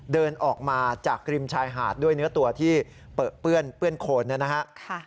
เดินออกมาจากริมชายหาดด้วยเนื้อตัวที่เปลื้อนโคนเนี่ยนะฮะ